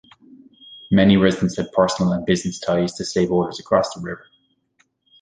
Many residents had personal and business ties to slaveholders across the river.